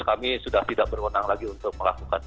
kami sudah tidak berwenang lagi untuk melakukan